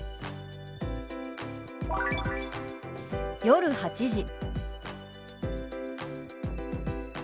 「夜８時」。